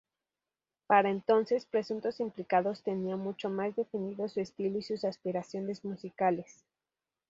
Para entonces, Presuntos Implicados tenía mucho más definido su estilo y sus aspiraciones musicales.